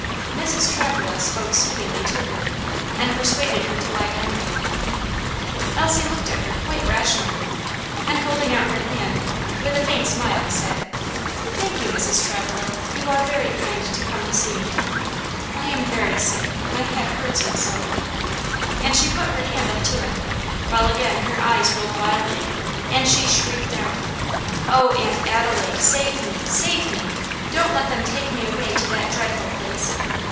Mrs. Travilla spoke soothingly to her, and persuaded her to lie down again. Elsie looked at her quite rationally, and holding out her hand, with a faint smile, said: "Thank you, Mrs. Travilla; you are very kind to come to see me; I am very sick; my head hurts me so;" and she put her hand up to it, while again her eyes rolled wildly, and she shrieked out, "Oh, Aunt Adelaide! save me! save me! don't let them take me away to that dreadful place!